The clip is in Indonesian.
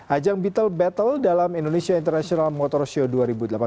ajang beetle battle dalam indonesia international motor show dua ribu delapan belas